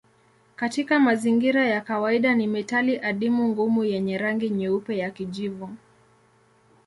Katika mazingira ya kawaida ni metali adimu ngumu yenye rangi nyeupe ya kijivu.